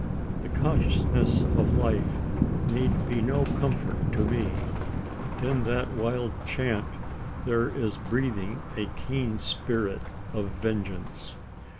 The consciousness of life need be no comfort to me. In that wild chaunt there is breathing a keen spirit of vengeance.